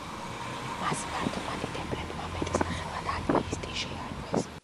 მას მართლმადიდებლებმა მეტსახელად „ათეისტი“ შეარქვეს.